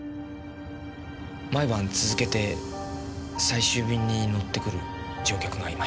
毎晩続けて最終便に乗ってくる乗客がいました。